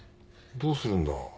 どうするんだ？